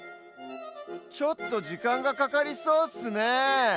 ちょっとじかんがかかりそうッスねえ。